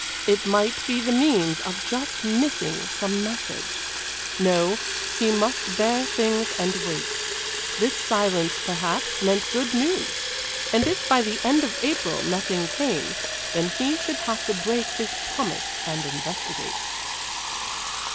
It might be the means of just missing some message. No, he must bear things and wait. This silence, perhaps, meant good news and if by the end of April nothing came, then he should have to break his promise and investigate.